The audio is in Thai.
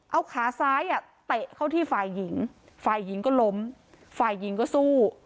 เอาขาซ้ายอ่ะเตะเข้าที่ฝ่ายหญิงฝ่ายหญิงก็ล้มฝ่ายหญิงก็สู้